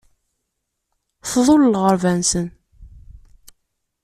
Tḍul lɣerba-nsen.